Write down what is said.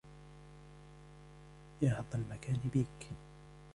يا حظّ المكان بيك